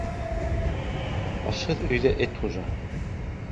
Башһыҙ өйҙә эт хужа.